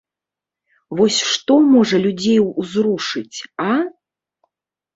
Вось што можа людзей узрушыць, а?